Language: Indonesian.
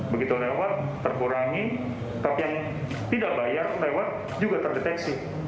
begitu lewat terkurangi tapi yang tidak bayar lewat juga terdeteksi